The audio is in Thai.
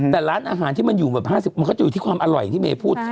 แต่ร้านอาหารที่มันอยู่แบบ๕๐มันก็จะอยู่ที่ความอร่อยที่เมย์พูด